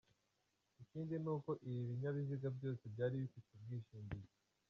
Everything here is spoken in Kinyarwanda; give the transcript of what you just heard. Ikindi ni uko ibi binyabiziga byose byari bifite ubwishingizi.